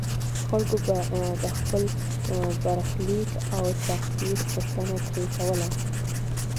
خلکو به د خپل برخلیک او تقدیر پوښتنه ترې کوله.